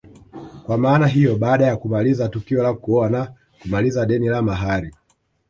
Kwa maana hiyo baada ya kumaliza tukio la kuoa na kumaliza deni la mahari